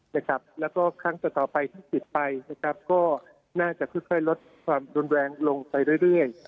นะครับแล้วก็ครั้งต่อต่อไปถ้าติดไปนะครับก็น่าจะคือค่อยลดความดนแรงลงไปเรื่อยเรื่อย